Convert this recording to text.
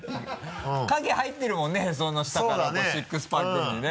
影入ってるもんねその下からシックスパックにね。